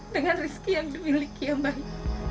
dengan rezeki yang dimiliki ya mbak ya